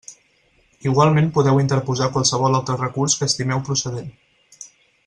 Igualment podeu interposar qualsevol altre recurs que estimeu procedent.